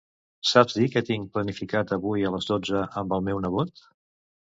Saps dir què tinc planificat avui a les dotze amb el meu nebot?